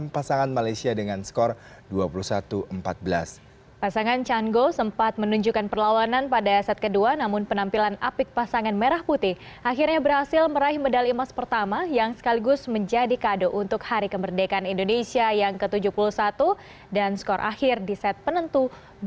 pasangan chango sempat menunjukkan perlawanan pada set kedua namun penampilan apik pasangan merah putih akhirnya berhasil meraih medali emas pertama yang sekaligus menjadi kado untuk hari kemerdekaan indonesia yang ke tujuh puluh satu dan skor akhir di set penentu dua